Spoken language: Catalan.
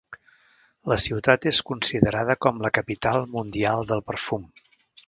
La ciutat és considerada com la capital mundial del perfum.